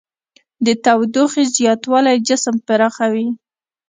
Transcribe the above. د تودوخې زیاتوالی جسم پراخوي.